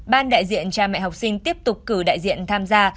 ban đại diện cha mẹ học sinh tiếp tục cử đại diện tham gia